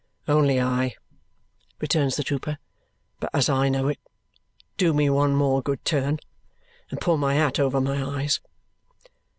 "Only I," returns the trooper, "but as I know it, do me one more good turn and pull my hat over my eyes."